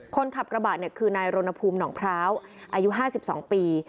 คนขับกระบะคือนายรณภูมิหนองพร้าวอายุ๕๒ปี